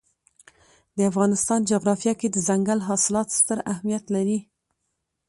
د افغانستان جغرافیه کې دځنګل حاصلات ستر اهمیت لري.